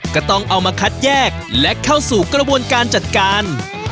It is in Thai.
ก็ต้องเอามาคัดแยกและเข้าสู่กระบวนการจัดการ